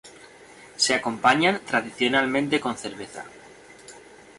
Se acompañan tradicionalmente con cerveza.